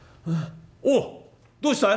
おうどうしたい？」。